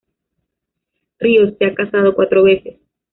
Ríos se ha casado cuatro veces.